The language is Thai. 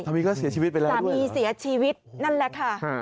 วีก็เสียชีวิตไปแล้วสามีเสียชีวิตนั่นแหละค่ะ